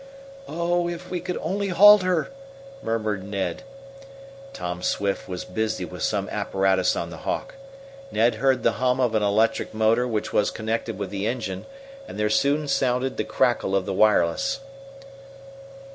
"Oh, if we could only halt her!" murmured Ned. Tom Swift was busy with some apparatus on the Hawk. Ned heard the hum of an electric motor which was connected with the engine, and there soon sounded the crackle of the wireless.